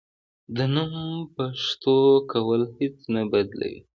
د نوم پښتو کول هیڅ نه بدلوي.